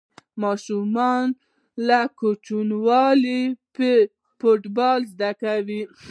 ماشومان له کوچنیوالي فوټبال زده کوي.